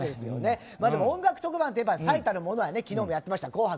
音楽特番といえば最たるものは昨日もやってました